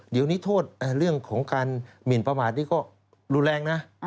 เดี๋ยวนี้โทษเรื่องของการหมินประมาทนี่ก็รุนแรงนะ